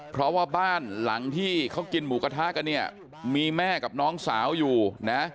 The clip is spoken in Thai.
เพราะว่าบ้านหลังที่เขากินหมูกระทะกันเนี่ยมีแม่กับน้องสาวอยู่นะ